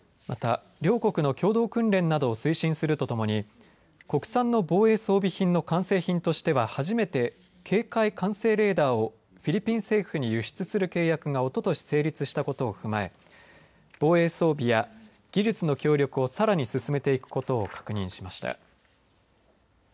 また両国の共同訓練などを推進するとともに国産の防衛装備品の完成品としては初めて警戒管制レーダーをフィリピン政府に輸出する契約がおととし成立したことを踏まえ防衛装備や技術の協力をさらに進めていくことを確認しました。